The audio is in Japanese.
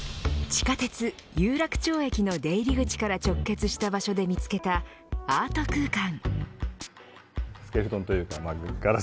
地下鉄有楽町駅の出入り口から直結した場所で見つけたアート空間。